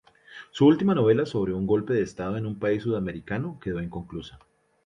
Su última novela, sobre un golpe de estado en un país sudamericano, quedó inconclusa.